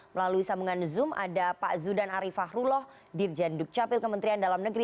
melalui sambungan zoom ada pak zudan arifahrullah dirjen dukcapil kementerian dalam negeri